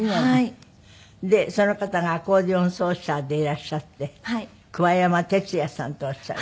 でその方がアコーディオン奏者でいらっしゃって桑山哲也さんとおっしゃる。